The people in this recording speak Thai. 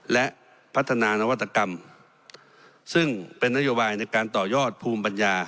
และพัฒนานวัตกรรมซึ่งเป็นนโยบายในการต่อยอดภูมิปัญญา